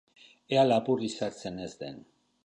Ea lapurrik sartzen ez den!